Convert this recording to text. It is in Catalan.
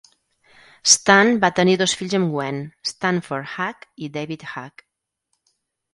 Stan va tenir dos fills amb Gwen: Stanford Hack i David Hack.